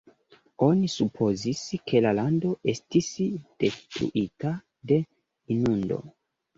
Oni supozis ke la lando estis detruita de inundo.